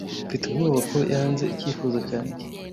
Mfite ubwoba ko yanze icyifuzo cyanjye.